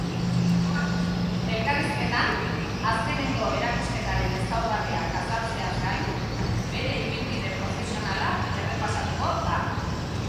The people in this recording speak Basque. Elkarrizketan, azkenengo erakusketaren ezaugarriak azaltzeaz gain, bere ibilbide profesionala errepasatuko da.